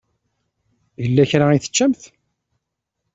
Yella kra i teččamt?